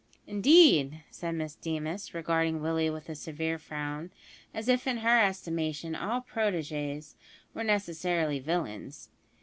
"Indeed," said Miss Deemas, regarding Willie with a severe frown, as if in her estimation all proteges were necessarily villains.